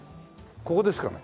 ここですかね？